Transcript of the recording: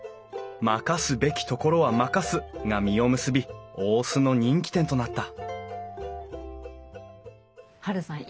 「任すべきところは任す」が実を結び大須の人気店となったハルさん